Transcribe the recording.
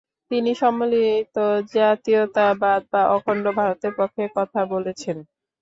তিনি সম্মিলিত জাতীয়তাবাদ ও অখণ্ড ভারতের পক্ষে কথা বলেছেন।